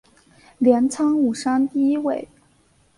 镰仓五山第一位。